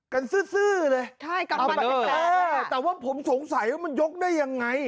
กันซื้อซื่อเลยใช่ขับบรรยากาศว้าวแต่ว่าผมสงสัยว่ามันยกได้ยังไง